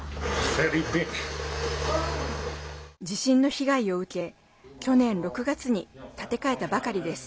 地震の被害を受け去年６月に建て替えたばかりです。